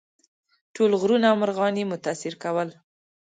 ټول غرونه او مرغان یې متاثر کول.